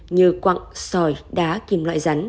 như quặng sòi đá kim loại rắn